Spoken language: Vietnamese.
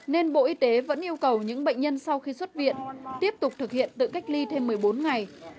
nên bộ y tế vẫn yêu cầu những bệnh nhân sau khi xuất viện tiếp tục thực hiện tự cách ly thêm một mươi bốn ngày